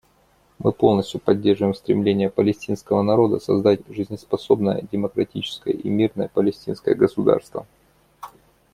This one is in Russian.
Мы полностью поддерживаем стремление палестинского народа создать жизнеспособное, демократическое и мирное палестинское государство.